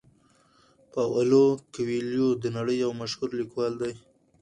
پاولو کویلیو د نړۍ یو مشهور لیکوال دی.